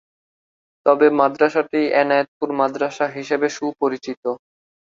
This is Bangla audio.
তবে মাদ্রাসাটি এনায়েতপুর মাদ্রাসা হিসাবে সুপরিচিত।